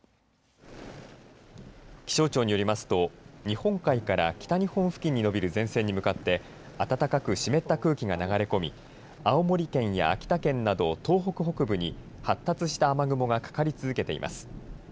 気象庁によりますと日本海から北日本付近に延びる前線に向かって暖かく湿った空気が流れ込み青森県や秋田県など東北北部に発達した雨雲がかかり続けています。